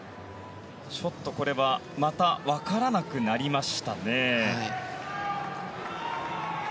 これはまた分からなくなりましたね。